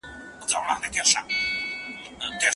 خاوند او ميرمن والدينو ته په کومو حدودو کي درناوی لري؟